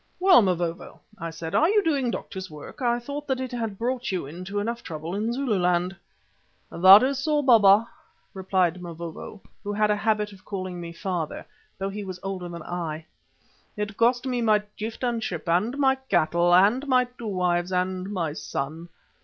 "Well, Mavovo," I said, "are you doing doctor's work? I thought that it had brought you into enough trouble in Zululand." "That is so, Baba," replied Mavovo, who had a habit of calling me "father," though he was older than I. "It cost me my chieftainship and my cattle and my two wives and my son.